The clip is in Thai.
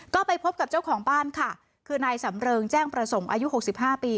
ก็ไปพบกับเจ้าของบ้านค่ะคือนายสำเริงแจ้งประสงค์อายุ๖๕ปี